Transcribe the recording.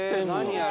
あれ。